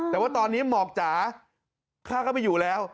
แต่ว่าตอนนี้หมอกจ๋าข้าก็ไม่อยู่แล้ว